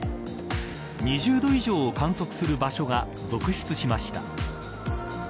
２０度以上を観測する場所が続出しました。